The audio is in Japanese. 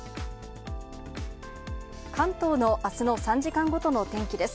関東のあすの３時間ごとの天気です。